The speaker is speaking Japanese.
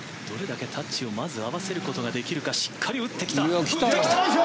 どれだけタッチをまず合わせることができるかしっかり打ってきた。